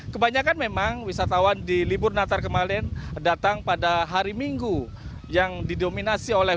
kebanyakan memang wisatawan di libur natar kemarin datang pada hari minggu yang didominasi oleh